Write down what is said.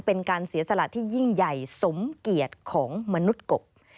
เป็นการเสียสละที่ยิ่งใหญ่สมเกียรติของมนุษย์กบ